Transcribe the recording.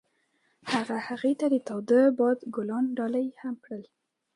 هغه هغې ته د تاوده باد ګلان ډالۍ هم کړل.